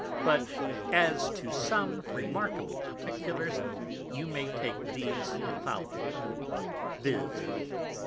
But as to some remarkable Particulars, you may take these following, _viz.